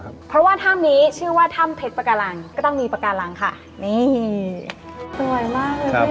เพราะว่าถ้ำนี้ชื่อว่าถ้ำเพชรปากาลังก็ต้องมีปากการังค่ะนี่สวยมาก